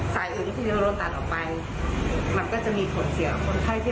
สายอื่นก็จะยอดตัดออกไป